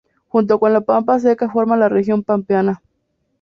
Junto con la pampa seca forma la región pampeana.